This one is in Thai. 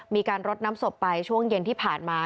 มีการรดน้ำศพไปช่วงเย็นที่ผ่านมา